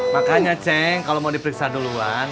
makanya ceng kalau mau diperiksa duluan